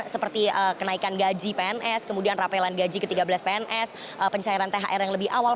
seperti kenaikan gaji pns kemudian rapelan gaji ke tiga belas pns pencairan thr yang lebih awal